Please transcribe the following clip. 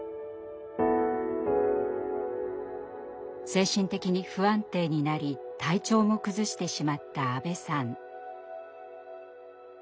精神的に不安定になり体調も崩してしまった阿部さん。